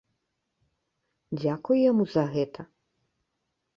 Дзякуй яму за гэта!